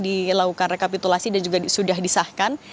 dilakukan rekapitulasi dan juga sudah disahkan